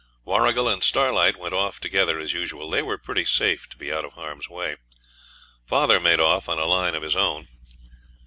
Warrigal and Starlight went off together as usual; they were pretty safe to be out of harm's way. Father made off on a line of his own.